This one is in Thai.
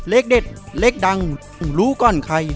เลขเด็ดเลขดังรู้ก่อนใคร